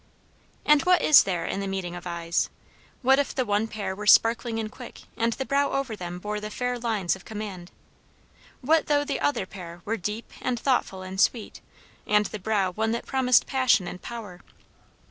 And what is there in the meeting of eyes? What if the one pair were sparkling and quick, and the brow over them bore the fair lines of command? What though the other pair were deep and thoughtful and sweet, and the brow one that promised passion and power?